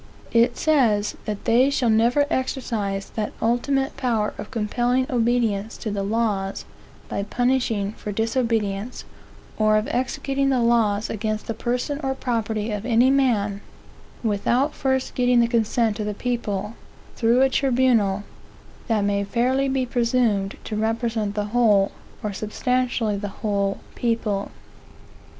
It says that they shall never exercise that ultimate power of compelling obedience to the laws by punishing for disobedience, or of executing the laws against the person or property of any man, without first getting the consent of the people, through a tribunal that may fairly be presumed to represent the whole, or substantially the whole, people.